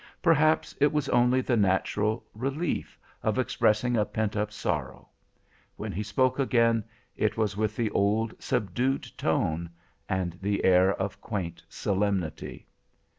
Perhaps it was only the natural relief of expressing a pent up sorrow. When he spoke again, it was with the old, subdued tone, and the air of quaint solemnity.